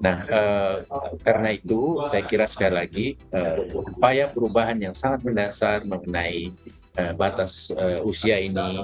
nah karena itu saya kira sekali lagi upaya perubahan yang sangat mendasar mengenai batas usia ini